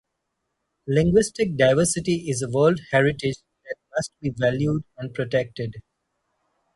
Linguistic diversity is a world heritage that must be valued and protected.